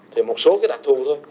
thì một số cái đặc thù thôi